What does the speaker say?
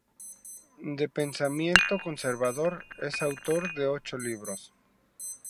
De pensamiento conservador, es autor de ocho libros.